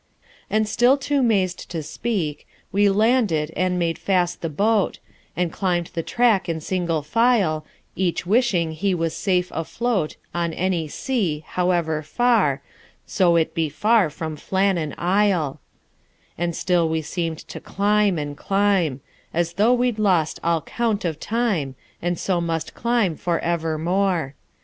And still to mazed to speak, We landed; and made fast the boat; And climbed the track in single file, Each wishing he was safe afloat, On any sea, however far, So it be far from Flannan Isle: And still we seemed to climb, and climb, As though we'd lost all count of time, And so must climb for evermore.